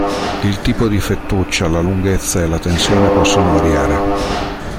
Il tipo di fettuccia, la lunghezza e la tensione possono variare.